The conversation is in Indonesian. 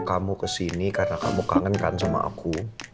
kamu kesini karena kamu kangen kan sama aku